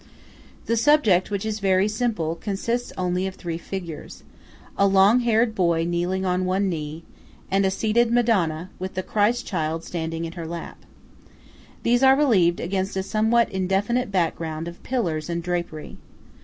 The subject, which is very simple, consists of only three figures:–a long haired boy kneeling on one knee, and a seated Madonna, with the Child Christ standing in her lap. These are relieved against a somewhat indefinite background of pillars and drapery.